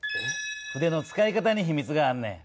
筆の使い方にひみつがあんねん。